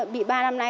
bị kháng lại thuốc